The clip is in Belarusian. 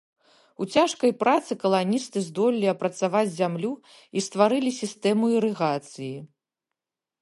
У цяжкай працы каланісты здолелі апрацаваць зямлю і стварылі сістэму ірыгацыі.